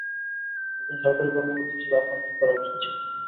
একজন সরকারি কর্মকর্তা হিসেবে আপনার কী করা উচিত ছিল?